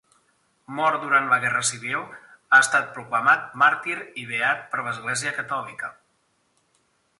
Mort durant la Guerra Civil, ha estat proclamat màrtir i beat per l'Església catòlica.